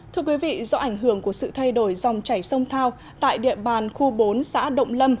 thưa quý vị do ảnh hưởng của sự thay đổi dòng chảy sông thao tại địa bàn khu bốn xã động lâm